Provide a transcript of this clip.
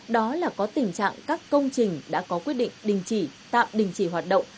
đó là có tình trạng các công trình đã có quyết định đình chỉ tạm đình chỉ hoạt động